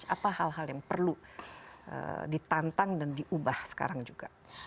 apa hal hal yang perlu ditantang dan diubah sekarang juga